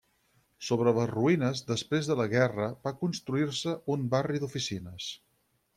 Sobre les ruïnes, després de la guerra, va construir-se un barri d'oficines.